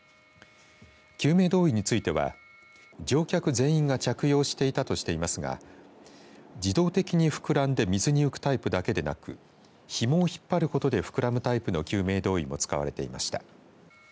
救命胴衣については乗客全員が着用していたとしていますが自動的にふくらんで水に浮くタイプだけでなくひもを引っ張ることでふくらむタイプの救命胴衣も使われていました。